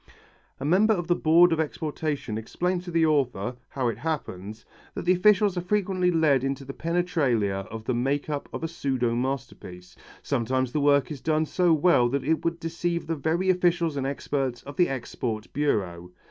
A member of the board of exportation explained to the author, how it happens, that the officials are frequently led into the penetralia of the make up of a pseudo masterpiece. Sometimes the work is done so well that it would deceive the very officials and experts of the export bureau.